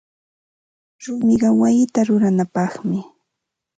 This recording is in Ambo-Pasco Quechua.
Rumiqa wayita ruranapaqmi.